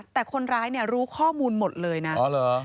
แต่คนร้ายเนี่ยรู้ข้อมูลหมดเลยนะอ๋อเหรอ